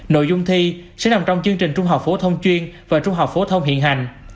nội dung thi sẽ nằm trong chương trình trung học phổ thông chuyên và trung học phổ thông hiện hành